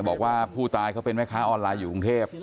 บอกว่าผู้ตายเขาเป็นแม่ค้าออนไลน์อยู่กรุงเทพ